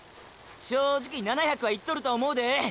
正直７００はいっとると思うで！！